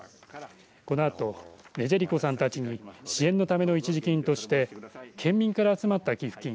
このあとネジェリコさんたちに支援のための一時金として県民から集まった寄付金